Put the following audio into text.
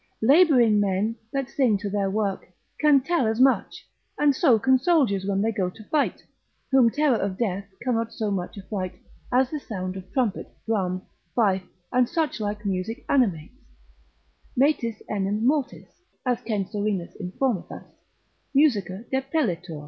Labouring men that sing to their work, can tell as much, and so can soldiers when they go to fight, whom terror of death cannot so much affright, as the sound of trumpet, drum, fife, and such like music animates; metus enim mortis, as Censorinus informeth us, musica depellitur.